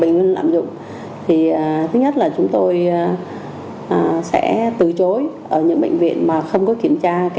bệnh nhân lạm dụng thì thứ nhất là chúng tôi sẽ từ chối ở những bệnh viện mà không có kiểm tra